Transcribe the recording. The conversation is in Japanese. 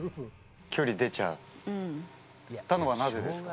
距離出ちゃったのはなぜです